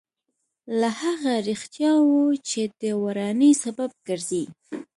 له هغه رښتیاوو چې د ورانۍ سبب ګرځي.